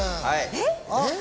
えっ？